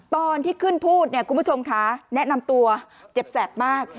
ตอนที่ขึ้นพูดเนี่ยคุณผู้ชมค่ะแนะนำตัวเจ็บแสบมาก